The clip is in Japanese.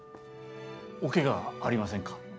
おケガはありませんか？